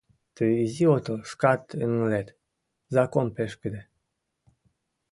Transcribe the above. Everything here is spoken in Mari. Тый изи отыл, шкат ыҥылет, закон пешкыде.